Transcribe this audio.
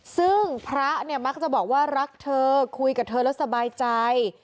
ซึ่งพระเนี่ยมักจะบอกว่ารักเธอคุยกับเธอแล้วสบายใจ